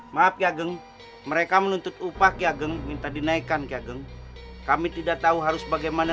maaf ya geng mereka menuntut upah ya geng minta dinaikkan ya geng kami tidak tahu harus bagaimana